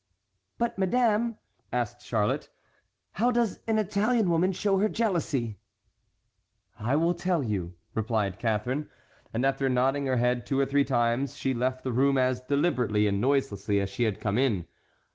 "But, madame," asked Charlotte, "how does an Italian woman show her jealousy?" "I will tell you," replied Catharine, and after nodding her head two or three times she left the room as deliberately and noiselessly as she had come in.